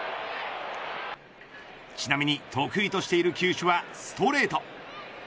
ちなみに得意としている球種はストレート。